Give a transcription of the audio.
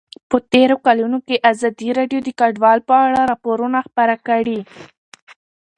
په تېرو کلونو کې ازادي راډیو د کډوال په اړه راپورونه خپاره کړي دي.